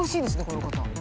この方。